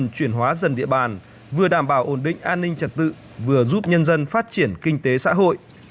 chuyển hóa dần địa bàn vừa đảm bảo ổn định an ninh trật tự vừa giúp nhân dân phát triển kinh tế xã hội